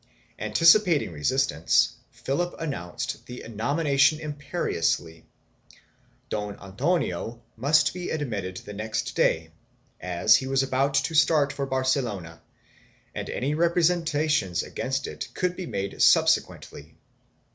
Anticipating resistance, Philip announced the nomination imperiously; Don Antonio must be admitted the next day as he was about to start for Barcelona and any representations against it could be made subsequently.